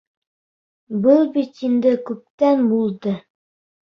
Был бит инде күптән булды...